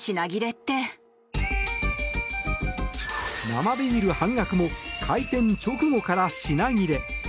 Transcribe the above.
生ビール半額も開店直後から品切れ？